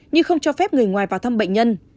nhưng không cho phép người ngoài vào thăm bệnh nhân